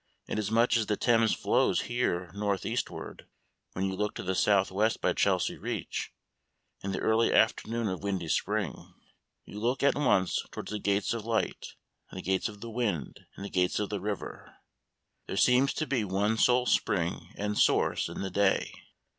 Inasmuch as the Thames flows here north eastward, when you look to the south west by Chelsea Reach, in the early afternoon of windy spring, you look at once towards the gates of light, the gates of the wind, and the gates of the river. There seems to be one sole spring and source in the day.